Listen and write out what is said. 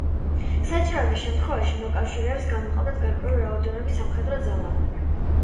საჭიროების შემთხვევაში მოკავშირეებს გამოჰყავდათ გარკვეული რაოდენობის სამხედრო ძალა.